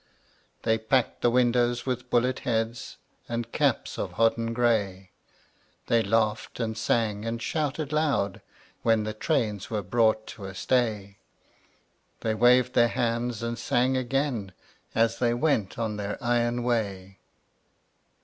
They packed the windows with bullet heads And caps of hodden gray; They laughed and sang and shouted loud When the trains were brought to a stay; They waved their hands and sang again As they went on their iron way.